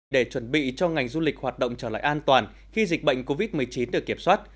để chuẩn bị cho ngành du lịch hoạt động trở lại an toàn khi dịch bệnh covid một mươi chín được kiểm soát